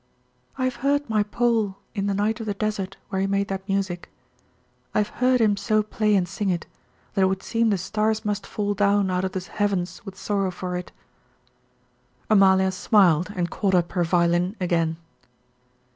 "I have heard my Paul in the night of the desert where he made that music, I have heard him so play and sing it, that it would seem the stars must fall down out of the heavens with sorrow for it." Amalia smiled and caught up her violin again.